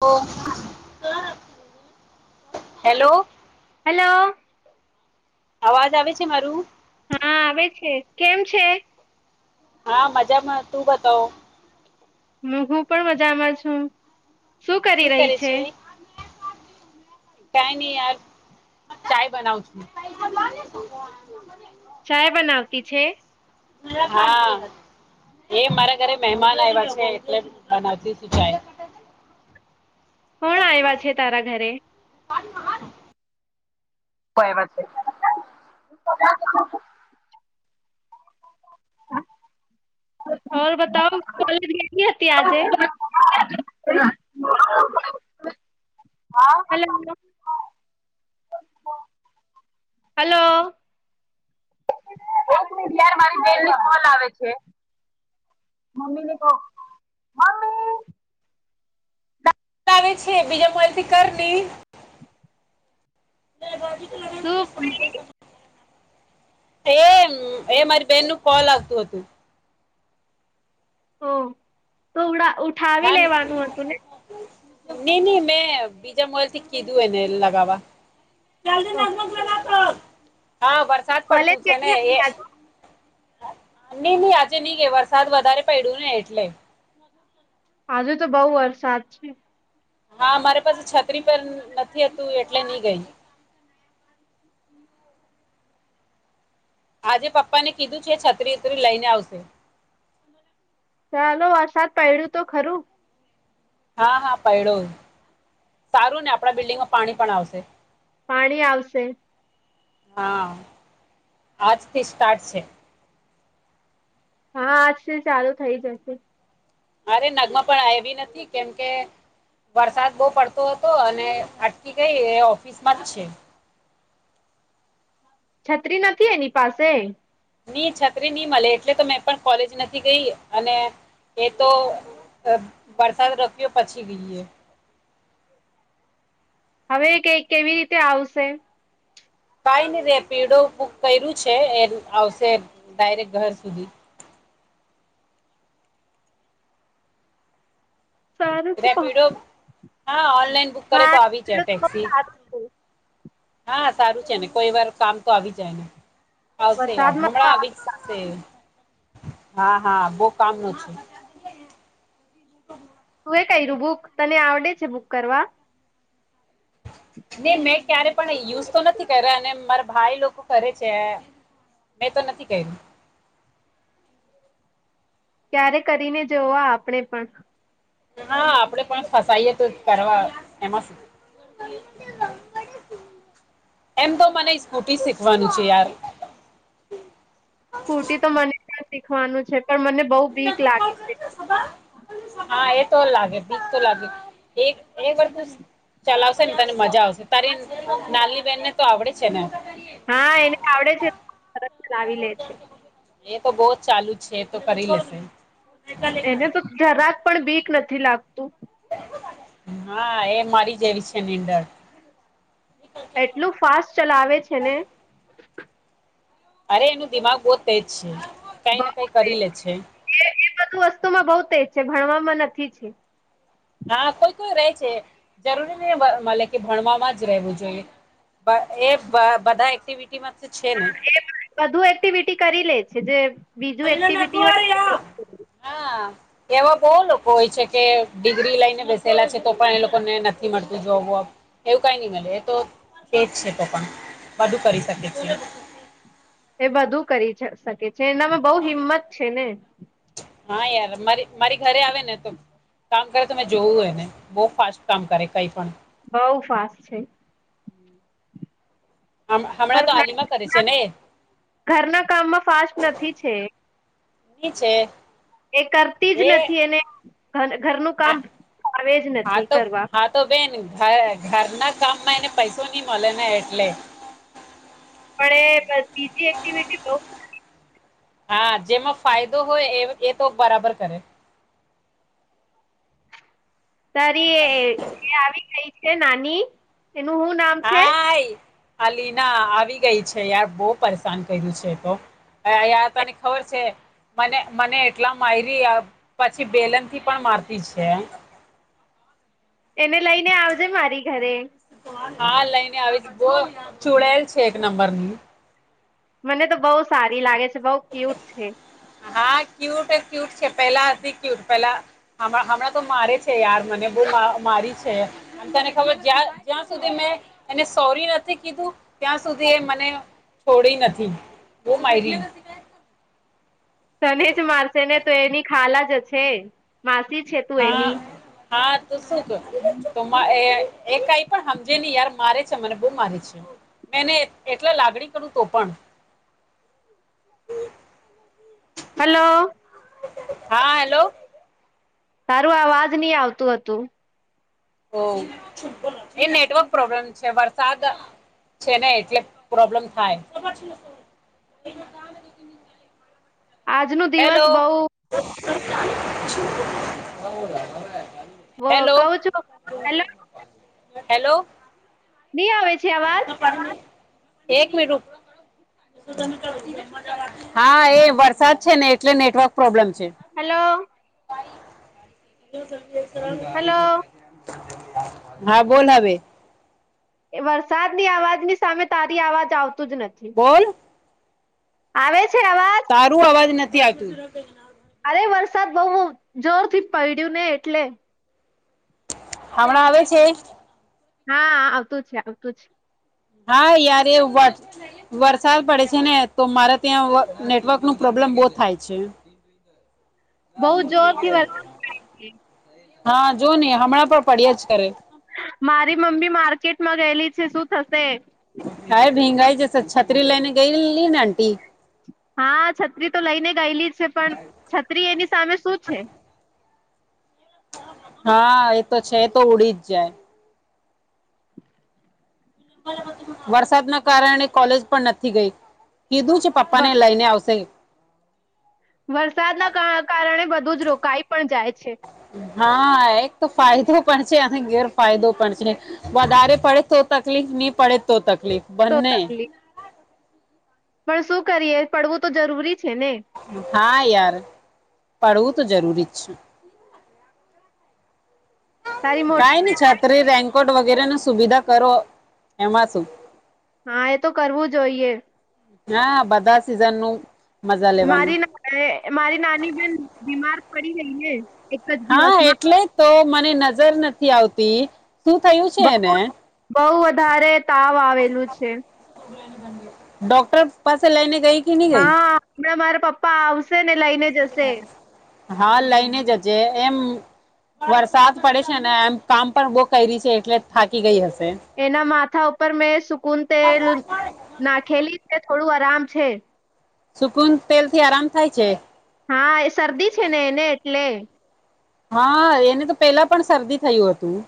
ઓ. Hello. Hello. અવાજ આવે છે, મારું? હા આવે છે કેમ છે? હા મજામાં તું બતાવ? હ હું પણ મજામાં છું, શું કરી રહી છે? કઈ નહી યાર ચાય બનાવ છું. ચાય બનાવતી છે. હા. એ મારા ઘરે મહેમાન આવ્યા છે, એટલે બનાવતી છું ચાય કોણ આવ્યા છે, તારા ઘરે? કો આયવા છે. બતાવ કોલેજ ગટ હતીતી આજે? હેલો. હલો. એક મિનિટ યાર મારી બેનની કોલ આવે છે. મમ્મી ને કહ મમ્મી. આવે છે, બીજા માલથી કર લી બે ભી શું એ એ મારી બેહેન નું કોલ આવતું હતું ઓ તો ઉડા ઉઠાવી હા લેવાનું હતું ને નઈ નહી મેં બીજા મોબાઈલ થી કીધું એને લગાવવા ઓકે, હા વરસાદ કોલેજ પડતું છે ને કેટલી એ હતી આજે નઈ નહી આજે નઈ કે વરસાદ વધારે પડ્યું ને એટલે હજુ તો બઉુ વરસાદ છે હા મારી પાસે છત્રી પર નથીતું એટલે નહી ગય [inaudible] આજે પપ્પા ને કીધું છે છત્રી ઉત્રી લઈને આવશે ચાલો વરસાદ પડડ્યું તો ખરું હા હા પૈડો સારું ને આપડા બિલ્ડિંગમાં પાણી પણ આવશે પાણી આવશે હા આજથી સ્ટાર્ટ છે હા આજથી ચાલુ થઈ જશે અરે નગમાં પણ આવી નથી કેમકે વરસાદ બહુ પડતો હતો અને અટકી ગઈ એ ઓફિસમાં જ છે. છત્રી નથી એની પાસે? નઈ છત્રી નહી મળે એટલે તો મેં પણ કોલેજ નથી ગઈ અને એ તો વરસાદ રપ્યો પછી ગઈએ હવે કે કેવી રીતે આવશે કઈ નઈ રેપિડો બુક કર્યું છે એ આવશે ડાયરેક ઘર સુધી [inaudible] સારું છે પણ રેપિડો હા ઓનલાઈન બુક કરે હા તો આવી જાય એટલું તો બઉ ટેક્સી સારું છે હા સારું છે ને કોઈ વાર કામ તો આવી જાય ને આવશે વા વરસાદમાં તો હમણાં આ આવી જશે હા હા બહ કામ ન છે ક્યું બુક તને આવડે છે બુક કરવા નહી મેં ક્યારે પણ યુઝ તો નથી કર્યા અને મારા ભાઈ લોકો કરે છે મેં તો નથી કર્યું [inaudible] ક્યારે કરીને જોવા આપણેે પણ હા આપડે પણ ફસાઈએ તો કરવા એમાં [inaudible] એમ તો મને સ્કૂટી શીખવાનું છે યાર સ્કૂટી તો મને્યા શીખવાનું છે પણ મને બહુ બીક લાગે છે હા એ તો લાગે બીક તો લાગે એક એક વસ્તુ ચલાવશે ને તને મજા આવશે તારી નાની બેહેનને તો આવડે છે ને હા એને આવડે છેાવી લે છે એ તો બહુ જ ચાલુ જ છે એ તો કરી લેશે એને તો જરાક પણ બીક નથી લાગતું હા એ મારી જેવી છે નીંદર એટલું ફાસ્ટ ચલાવે છે ને અરે એનું દિમાગ બહુ જ તેજ છે કઈ બઉ ને કઈ તેજ કરી લે છે એ એ બધું વસ્તુમાં બહુ તેજ ભણવામાં નથી છે હા કોઈ કોઈ રે છે જરૂરી નહી મલેકે ભણવામાં જ રહેવું જોઈએ [unintelligible] એ બધા એક્ટિવિટી. હ એ બધુ એક્ટિવિટી કરી લે છે, જે. [unintelligible] બીજું એક્ટિવિટી હોય [unintelligible] એવા બઉ લોકો હોય છે, કે ડિગ્રી લઈને બેસેલા છે, તો પણ એ લોકોને નથી મળતું જોબ વબ. એવું કઈ નહી મલે એતો. તેજ છે, [unintelligible] પણ બધુ કરી શકી છીએ. એ બધું કરી શકે છે, એનામાં બહુ હિંમત છે, ને. હા યાર મારી મારી ઘરે આવે ને તો. કામ કરે તમે જોવું હોયને બહ ફાસ્ટ કામ કરે કઈ પણ. બઉ ફાસ્ટ છે. હમણાં તો પણ [unintelligible] કરે છે, ને. ઘરના કામમાં ફાસ્ટ નથી છે ની છે. એ કરતી જ એ નથી એને. ઘરનું કામ આ આવે જ હા નથી તો કરવા હા તો બેન [unintelligible] ઘરના. કામ માં એને પૈસો નઈ મળે ને એટલે. [unintelligible] બીજી એક્ટિવિટી બ હા જેમાં ફાયદો હોય એ એ તો બરાબર કરે તારી એ આવી ગઈ છે નાની એનું હુ નામ છે આ લિના આવી ગઈ છે યાર બહુ પરેશાન કર્યું છે તો અયા તને ખબર છે મને મને એટલા માયરી પછી બેલન થી પણ મારતી છે એને લઈને આવજે મારી ઘરે. હા લઈને આવી બ ચુડેલ છે, એક નંબર ની. મને તો બહુ સારી લાગે છે, બઉ ક્યુટ છે. હા ક્યુટ ક્યુટ છે, પહેલા અતિ ક્યુટ પહેલા હમણાં તો મારેે છે, યાર મને બ [unintelligible] સોરી નથી કીધું ત્યાં [unintelligible] મને છોડી નથી [unintelligible] મારી. તને જ મારસે ને તો એની ખાલા જ હ છે, માસી. છે તું હા એની હા [inaudible] એ કઈ પણ સમજે નહી યાર મારે છે, મને બહુ મારે છે. મેને એટલા લાગણી કરું તો પણ. હલો. હા હેલો. તારું અવાજ નહી આવતું હતું. ઓ એ નેટવર્ક પ્રોબ્લેમ છે, વરસાદ. છે, ને એટલે પ્રોબ્લેમ [unintelligible] [inaudible] આજ [unintelligible] દિવસ હેલો બઉ. વ [inaudible] હેલો કહું છું હેલો હેલો. ની આવે છે, આવાજ. એક મિનિટ રુક હા એ વરસાદ છે, ને. એટલે નેટવર્ક [unintelligible] હેલો. હેલો [inaudible] હા બોલ હવે. એ વરસાદની અવાજની સામે તારી અવાજ આવતું જ નથી. બોલ આવે છે, આવે. તારું અવાજ નથી આવતું. અરે વરસાદ બહુ જોર થી પડ્યું ને એટલે. [unintelligible] આવે છે. હા આવતું છે આવતું છે હા યાર વાત વરસાદ પડે છે ને તો મારે ત્યાં નેટવર્ક નું પ્રોબ્લેમ બહુ થાય છે બઉ જોરથી વરસાદ હા જો ને હમણાં પણ પડ્યા જ કરે મારી મમ્મી માર્કેટમાં ગયેલી છે શું થશે જ છત્રી લઇને ગઈ લી ને આંટી હા છત્રી તો લઈને ગયેલી છે પણ છત્રી એની સામે શું છે હા એ તો છે એ તો ઉડી જ જાય વરસાદ ના કારણે કોલેજ પણ નથી ગઈ કીધું છે પપ્પા ને વ- લઈને આવશે વરસાદના કા- કારણે બધું જ રોકાઈ પણ જાય છે હા એક તો ફાયદો પણ છે અને ગેરફાયદો પણ છે વધારે પડે તો તકલીફ ની પડે તો તકલીફ તો બંને તકલીફ પણ શું કરીએ પડવું તો જરૂરી છે ને હા યાર પડવું તો જરૂરી છે તારી કઈ મોટી ન છત્રી રેન્કોટ વગેરે ન. સુવિધા કરો એમાં શું. હા એ તો કરવું જોઈએ. હા બધા સિઝન નું મારી મારી નાની બેન બીમાર પડી રહી હે હા એટલે તો મને નજર નથી આવતી શું થયું છેને બહુ બહુ વધારે તાવ આવેલું છે ડોક્ટર પાસે લઈને ગઈ કે નહી ગઈ હા હમણાં મારા પપ્પા આવશે ને લઈને જશે હા લઈને જ જજેએમ વરસાદ પડે છે ને એમ કામ પણ બહ કરી છે એટલે થાકી ગઈ હશે એના માથા ઉપર મેં સુકુન તેલ નાખેલી થોડું આરામ છે સુકૂન તેલ થી આરામ થાય છે હા એ શરદી છે ને એને એટલે હા એને તો પેલા પણ શરદી થયું હતું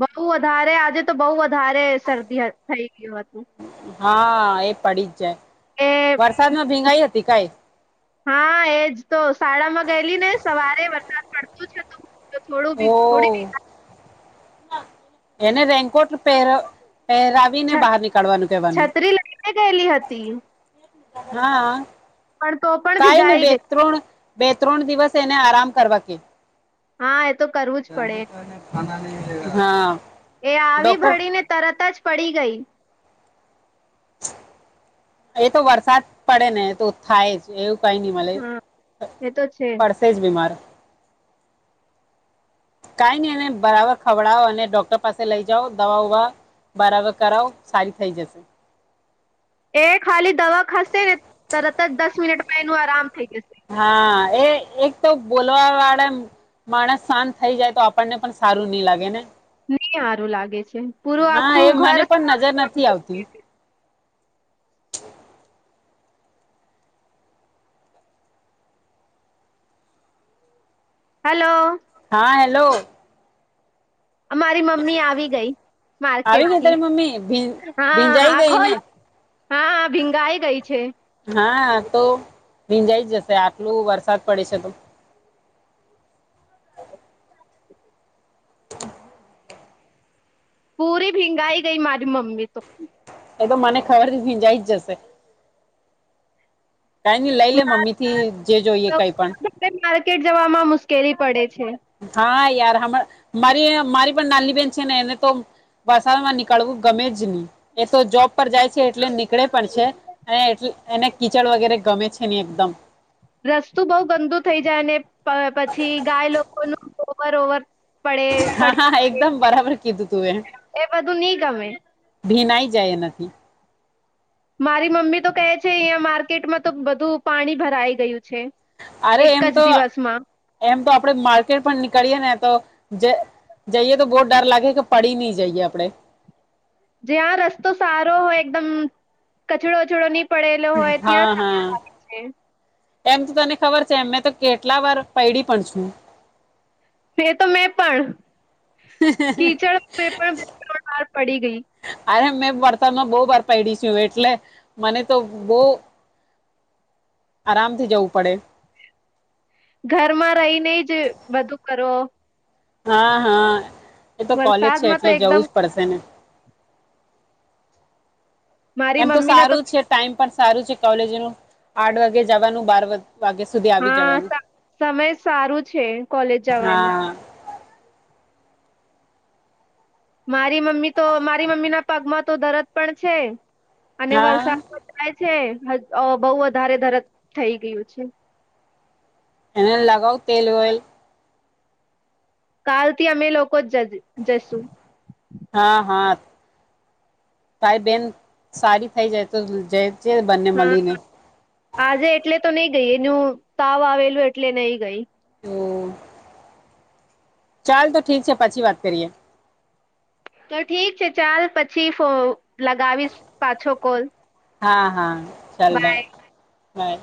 બઉ વધારે આજે તો બહુ વધારે શરદી થઈ ગયું હતું હા એ પડી જ જાય એ વરસાદમાં ભીંગાઈ હતી કાઈ હા એજ તો શાળામાં ગયેલી ને સવારે વરસાદ પડતો છે તો થોડું ઓ બી થોડી બી એને રેઈનકોટ પરો રાવી બી ને છ- બહાર નીકળવાનું કેવાનું છત્રી લઈને ગયેલી હતી હા પણ તો પણ કઈ નઈને ભીગાઈ બે ગઈ ત્રણ બે ત્રણ દિવસ તેને આરામ કરવા કે હા કરું જ હા પડે આવી ડોક્ટર ભણીને તરત જ પડી ગઈ એ તો વરસાદ પડે ને તો થાય જ એવું કઈ ન મલે હા એ તો છે પડશે જ બીમાર કઈ નઈ એને બરાબર ખવડાવો અને ડોક્ટર પાસે લઈ જાઓ દવા ઉવા બરાબર કરાવો સારી થઇ જશે એ ખાલી દવા ખાસે ને તરત જ દસ મિનિટમાં એનું આરામ થઈ જશે હા એ એક તો બોલવા વાળા માણસ શાંત થઈ જાય તો આપણને પણ સારું નઈ લાગે ને? નહી સારું લાગે છે પૂરું હા એ આખું ઘર મને પણ નજર નથી આવતી હલો હા હેલો અમારી મમ્મી આવી ગઈ આવી ગઈ માર્કેટથી. તારી મમ્મી ભીં હા ભીંજાઈ આ ગઈ ને ખોલ હા ભીંગાઈ ગઈ છે. હા તો ભીઇંઆઈ જશે આટલું વરસાદ પડે છે તો પૂરી ભીંગાઈ ગઈ મારી મમ્મી તો. એ તો મને ખબરથી ભીંજાઈ જ જશે કઈ નની લઈ લે મમ્મી થી જે જોઈએ કઈ પણ માર્કેટ જવામાં મુશ્કેલી પડે છે હા યાર હ મારી મારી પણ નાની બેેન છે ને એને તો વરસાદમાં નીકળવું ગમે જ નહી એ તો જોબ પર જાય છે એટલે કળે પણ છે અને એટ એને કીચડ વગેરે ગમે છે નહી એકદમ રસ્તું બઉ ગંદુ થઇ જાય ને પછી ગાય લોકોનું ઓવર ઓવર પડે હા હા પડી. એકદમ બરાબર કીધું તું એ એ બધું નહી ગમે ભીનાઈ જાય નથી મારી મમ્મી તો કહે છે અહીં માર્કેટમાં તો બધું પાણી ભરાઈ ગયું છે અરે એક એમ જ તો દિવસમાં એમ તો આપડે માર્કેટ પણ નીકળીય ને તો જ જઈએ તો બહુ ડર લાગે કે પડી નહી જઈએ આપડે જ્યાં રસ્તો સારો હોય એકદમ કચરો વચડો ની પડેલો હોય ત્યાં હા છે હા એમ તો તને ખબર છે એ મેં તો કેટલા વાર પૈડી પણ છું. એ તો મેં પણ કીચડ પણ વાર પડી ગઈ. અરે મેં વર્તનમાં બહુ બાર પડીશું એટલે મને તો બહ આરામથી જવું પડે ઘરમાં રહીને જ બધું કરો હા હા એ તો કોલેજ છે વરસાદમાં તો એટલે જવું એકદમ જ પડશે ને મારી એમ તો મમ્મી ના સારું જ છે ટાઈમ પણ સારું છે કોલેજ નું આઠ વાગે જવાનું બાર વાગ્યા સુધી આવી હા જવાનું સા- સમય સારું છે કોલેજ જવાનું હા મારી મમ્મી તો મારી મમ્મી ના પગમાં તો દરદ પણ છે. અને હા વરસાદ થ છે બહુ વધારે ધરત થઇ ગયું છે. એને લગાવ તેલ વેલ કાલથી અમે લોકો જ જશું હા હા તારી બેન સારી થઇ જાય તો જ જે બંને હા મળીને આજે એટલે તો નહી ગઈ એનું તાવ આવેલું એટલે નહી ગઈ હમ્મ ચાલ તો ઠીક છે પછી વાત કરીએ. તો ઠીક છે ચાલ પછી ફો લગાવીશ પાછો કોલ હા હા ચાલ બાય બાય.